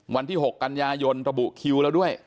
วันที่๖กันยายนระบุคิวแล้วด้วย